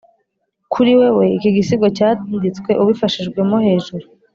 kuri wewe iki gisigo cyanditswe, ubifashijwemo hejuru,